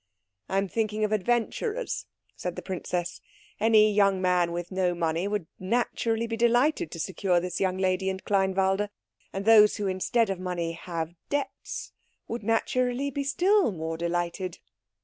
"I am thinking of adventurers," said the princess. "Any young man with no money would naturally be delighted to secure this young lady and Kleinwalde. And those who instead of money have debts, would naturally be still more delighted."